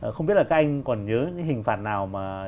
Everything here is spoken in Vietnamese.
không biết là các anh còn nhớ những hình phạt nào mà